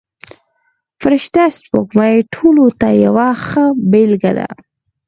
فرشته سپوږمۍ ټولو ته یوه ښه بېلګه ده.